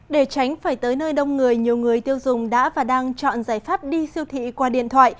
để tránh phải tới nơi đông người nhiều người tiêu dùng đã và đang chọn giải pháp đi siêu thị qua điện thoại